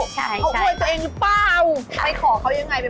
เชิญค่ะพี่นก